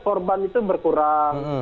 korban itu berkurang